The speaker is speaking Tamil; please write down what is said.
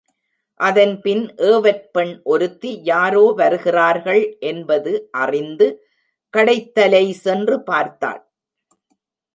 அதன்பின் ஏவற்பெண் ஒருத்தி யாரோ வருகிறார்கள் என்பது அறிந்து கடைத்தலை சென்று பார்த்தாள்.